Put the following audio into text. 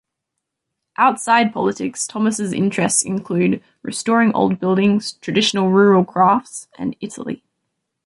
Outside politics Thomas' interests include restoring old buildings, traditional rural crafts and Italy.